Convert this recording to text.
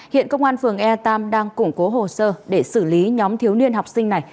hiện công an phường ea tam đang củng cố hồ sơ để xử lý nhóm thiếu niên học sinh này